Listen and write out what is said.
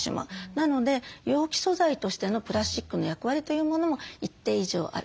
なので容器素材としてのプラスチックの役割というものも一定以上ある。